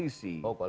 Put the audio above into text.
itu kan ituuhan